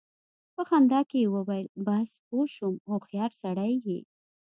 په خندا کې يې وويل: بس! پوه شوم، هوښيار سړی يې!